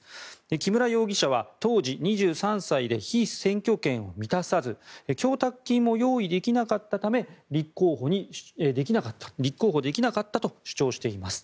木村容疑者は当時、２３歳で被選挙権を満たさず供託金も用意できなかったため立候補できなかったと主張しています。